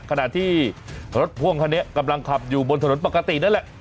ขณะที่รถพ่วงคันนี้กำลังขับอยู่บนถนนปกตินั่นแหละ